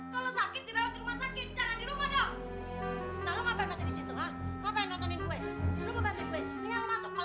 kalo sakit dirawat di rumah sakit jangan di rumah dong